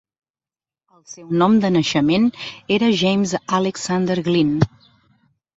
El seu nom de naixement era James Alexander Glenn.